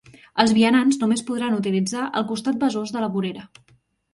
Els vianants només podran utilitzar el costat Besòs de la vorera.